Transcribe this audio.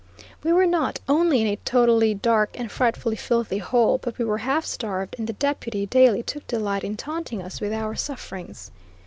We were not only in a totally dark and frightfully filthy hole, but we were half starved, and the Deputy daily took delight in taunting us with our sufferings.